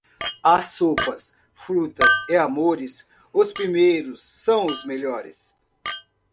As sopas, frutas e amores, os primeiros são os melhores.